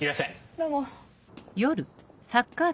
どうも。